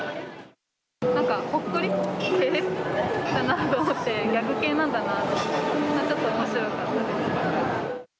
なんかほっこり系？かなと思って、ギャグ系なんだなと思って、ちょっとおもしろかったです。